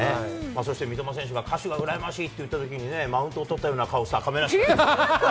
そして三笘選手が歌手が羨ましいと言ったときにね、マウントを取ったような顔した亀梨君ですけど。